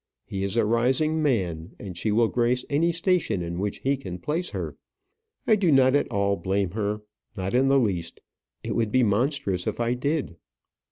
He is a rising man, and she will grace any station in which he can place her. I do not at all blame her, not in the least; it would be monstrous if I did."